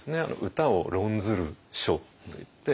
「歌を論ずる書」といって。